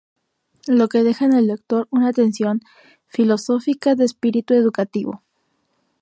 Lo que deja en el lector una tensión filosófica de espíritu educativo.